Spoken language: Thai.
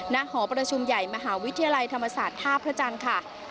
หอประชุมใหญ่มหาวิทยาลัยธรรมศาสตร์ท่าพระจันทร์ค่ะ